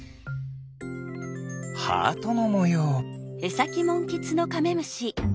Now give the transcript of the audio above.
ハートのもよう。